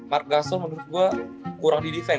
mark gasol menurut gua kurang di defense